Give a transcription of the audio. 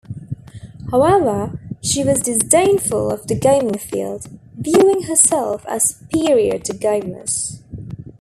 However, she was disdainful of the gaming field, viewing herself as superior to gamers.